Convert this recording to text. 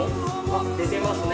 あっ出てますね。